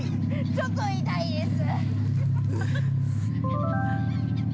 ◆ちょっと痛いです。